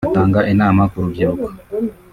atanga inama ku rubyiruko